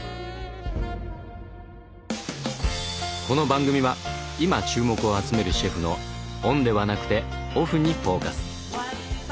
この番組は今注目を集めるシェフのオンではなくてオフにフォーカス。